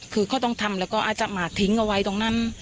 คือเขาก็ต้องทำแล้วก็มาทิ้งไว้ตรงนั้น